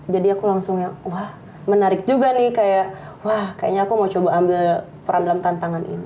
jadi aku langsung yang wah menarik juga nih kayak wah kayaknya aku mau coba ambil peran dalam tantangan ini